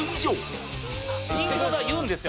人気者は言うんですよ